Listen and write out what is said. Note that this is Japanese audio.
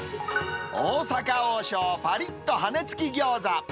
大阪王将パリッと羽根つき餃子。